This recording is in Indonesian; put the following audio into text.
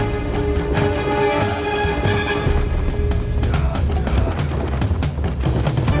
nggak akan ada jalan lagi keluar